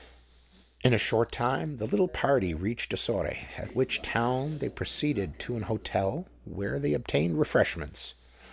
In a short time the little party reached Ossore, at which town they proceeded to an hotel, where they obtained refreshments.